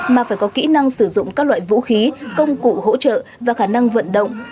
mà phải có kỹ năng sử dụng các loại vũ khí công cụ hỗ trợ và khả năng vận động